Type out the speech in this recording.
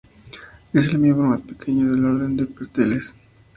Es el miembro más pequeño del orden de los petreles.